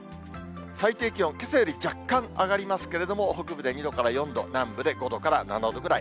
最低気温けさより若干上がりますけれども、北部で２度から４度、南部で５度から７度ぐらい。